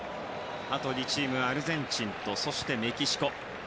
あと２チームはアルゼンチンとメキシコ。